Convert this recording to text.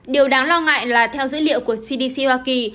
điều đáng lo ngại là theo dữ liệu của cdc hoa kỳ